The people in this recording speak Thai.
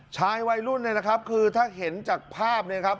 ชายวัยรุ่นเนี่ยนะครับคือถ้าเห็นจากภาพเนี่ยครับ